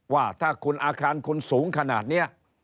ว่าถ้าคุณอาคารคุณสูงขนาดนี้